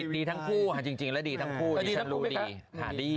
ดีทั้งคู่จริงแล้วดีทั้งคู่ดีทั้งคู่ดี